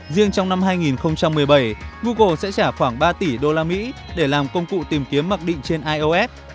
riêng trong năm hai nghìn một mươi bảy google sẽ trả khoảng ba tỷ usd để làm công cụ tìm kiếm mặc định trên ios